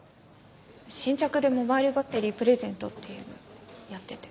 先着でモバイルバッテリープレゼントっていうのをやってて。